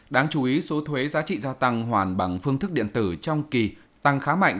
đáng chú ý số thuế giá trị gia tăng hoàn bằng phương thức điện tử trong kỳ tăng khá mạnh